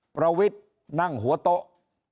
ประวิทย์นั่งหัวโต๊ะ